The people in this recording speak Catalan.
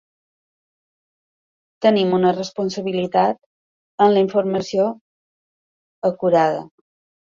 Tenim una responsabilitat amb la informació acurada.